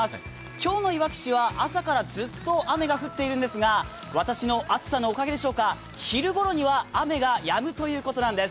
今日のいわき市は朝からずっと雨が降っているんですが私の熱さのおかげでしょうか、昼頃には雨がやむということなんです。